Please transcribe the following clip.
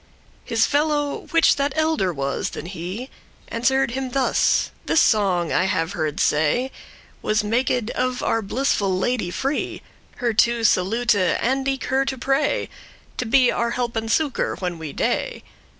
His fellow, which that elder was than he, Answer'd him thus: "This song, I have heard say, Was maked of our blissful Lady free, Her to salute, and eke her to pray To be our help and succour when we dey.